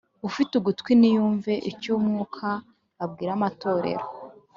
“Ufite ugutwi niyumve icyo Umwuka abwira amatorero.